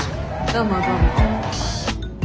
どうもどうも。